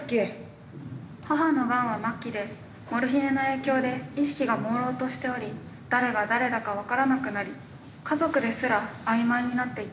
「母のがんは末期でモルヒネの影響で意識が朦朧としており誰が誰だか分からなくなり家族ですら曖昧になっていた」。